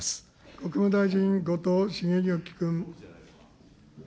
国務大臣、後藤茂之君。